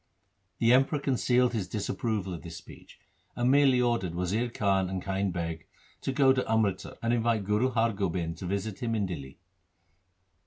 The Emperor concealed his disapproval of this speech, and merely ordered Wazir Khan and Kind Beg to go to Amritsar and invite Guru Har Gobind to visit him in Dihli.